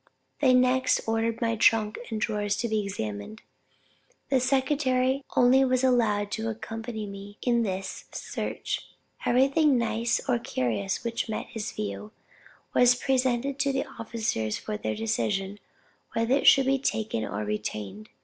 They next ordered my trunk and drawers to be examined. The secretary only was allowed to accompany me in this search. Everything nice or curious which met his view, was presented to the officers for their decision whether it should be taken or retained.